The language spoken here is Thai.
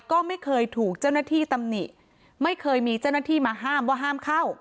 ก็ไม่เคยถูกเจ้าหน้าที่ตำหนิไม่เคยมีเจ้าหน้าที่มาห้ามว่าห้ามเข้า